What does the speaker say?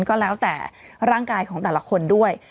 ก็แล้วแต่ร่างกายของแต่ละคนด้วย